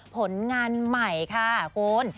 ผลงานใหม่ค่ะคุณ